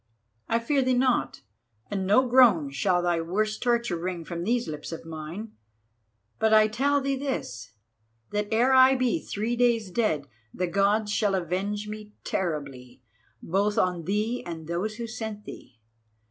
I fear thee not, and no groan shall thy worst torture wring from these lips of mine. But I tell thee this, that ere I be three days dead, the Gods shall avenge me terribly, both on thee and those who sent thee.